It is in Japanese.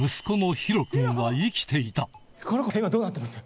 この子どうなってます？